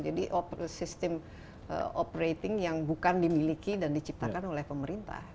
jadi sistem operating yang bukan dimiliki dan diciptakan oleh pemerintah